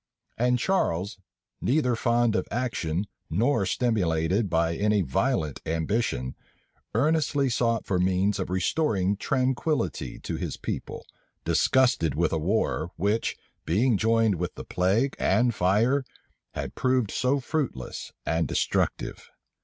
And Charles, neither fond of action, nor stimulated by any violent ambition, earnestly sought for means of restoring tranquillity to his people, disgusted with a war, which, being joined with the plague and fire, had proved so fruitless and destructive.